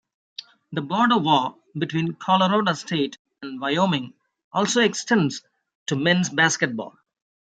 The "Border War" between Colorado State and Wyoming also extends to men's basketball.